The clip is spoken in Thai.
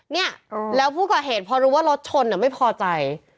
เนี่ยแล้วผู้ก่อเหตุพอรู้ว่ารถชนไม่พอใจ